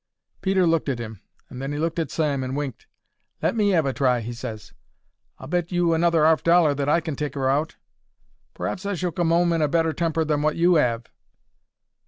Peter looked at 'im and then 'e looked at Sam and winked. "Let me 'ave a try," he ses; "I'll bet you another 'arf dollar that I take 'er out. P'r'aps I shall come 'ome in a better temper than wot you 'ave."